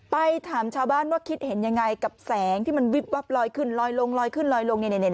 ไปถามชาวบ้านว่าคิดเห็นยังไงกับแสงที่มันวิบวับลอยขึ้นลอยลงลอยขึ้นลอยลง